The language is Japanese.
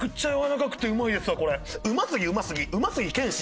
うますぎうますぎうますぎ謙信。